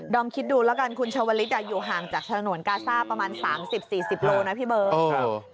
อมคิดดูแล้วกันคุณชาวลิศอยู่ห่างจากฉนวนกาซ่าประมาณ๓๐๔๐โลนะพี่เบิร์ต